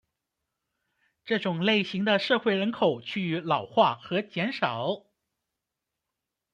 这种类型的社会人口趋于老化和减少。